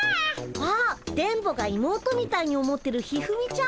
あっ電ボが妹みたいに思ってる一二三ちゃん。